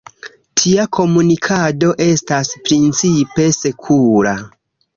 Tia komunikado estas principe sekura.